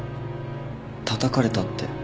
たたかれたって。